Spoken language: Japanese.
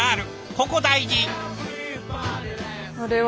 ここ大事！